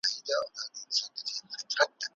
که غواړې چې نور دې درناوی وکړي، ته هم ورته وکړه.